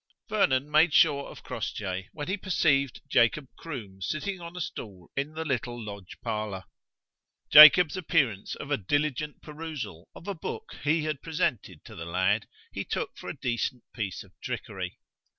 Vernon made sure of Crossjay when he perceived Jacob Croom sitting on a stool in the little lodge parlour. Jacob's appearance of a diligent perusal of a book he had presented to the lad, he took for a decent piece of trickery.